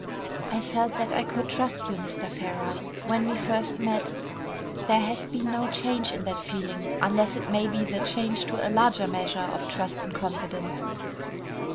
"I felt that I could trust you, Mr. Ferrars, when we first met. There has been no change in that feeling unless it may be the change to a larger measure of trust and confidence."